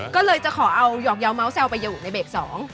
ก็เลยจะขอเอาหยอกยาวเมาสแซวไปอยู่ในเบรกสอง